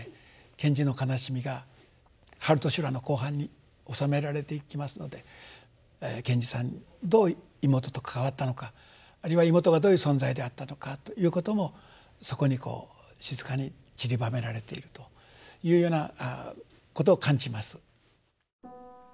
賢治の悲しみが「春と修羅」の後半に収められていきますので賢治さんどう妹と関わったのかあるいは妹がどういう存在であったのかということもそこにこう静かにちりばめられているというようなことを感じます。